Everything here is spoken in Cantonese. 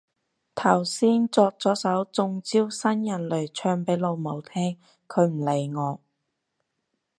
頭先作咗首中招新人類唱俾老母聽，佢唔理我